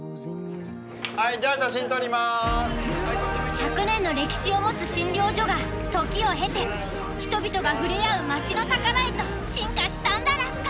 １００年の歴史を持つ診療所が時を経て人々が触れ合う町の宝へと進化したんだラッカ。